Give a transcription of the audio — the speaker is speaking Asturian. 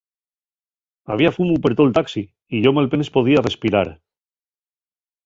Había fumu per tol taxi y yo malpenes podía respirar.